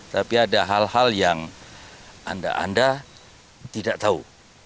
tapi ada hal hal yang anda anda tidak tahu